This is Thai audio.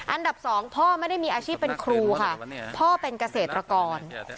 อันดับสองพ่อไม่ได้มีอาชีพเป็นครูค่ะพ่อเป็นเกษตรกร